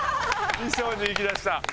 衣装にいきだした。